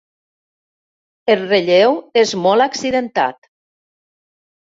El relleu és molt accidentat.